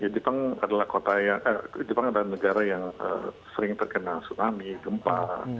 jepang adalah negara yang sering terkena tsunami gempa